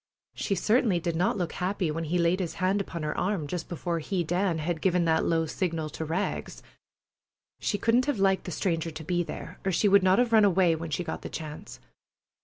She certainly did not look happy when he had laid his hand upon her arm, just before he, Dan, had given that low signal to Rags. She couldn't have liked the stranger to be there, or she would not have run away when she got the chance.